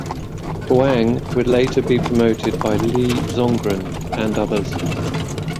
Huang would later be promoted by Li Zongren and others.